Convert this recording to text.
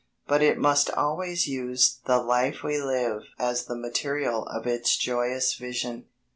But it must always use the life we live as the material of its joyous vision.